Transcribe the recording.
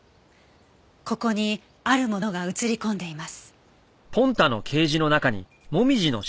ここにあるものが写り込んでいます。